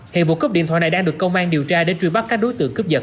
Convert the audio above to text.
hiện vụ cướp điện thoại này đang được công an điều tra để truy bắt các đối tượng cướp giật